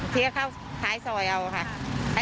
ที่ก็เข้าท้ายซอยเอาค่ะ